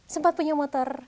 sempat punya motor